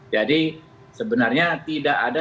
jadi sebenarnya tidak ada